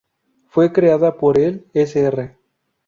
Fue creada por el Sr.